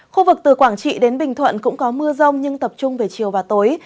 khu vực từ quảng trị đến bình thuận cũng có mưa rông nhưng tập trung về chiều và tối